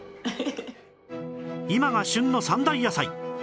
今が旬の３大野菜